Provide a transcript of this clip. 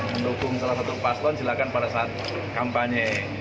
mendukung salah satu paslon silahkan pada saat kampanye